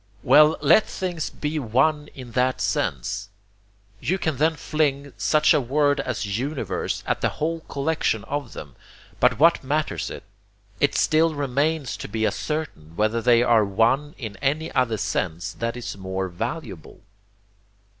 Well, let things be one in that sense! You can then fling such a word as universe at the whole collection of them, but what matters it? It still remains to be ascertained whether they are one in any other sense that is more valuable.